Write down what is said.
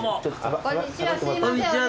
こんにちは。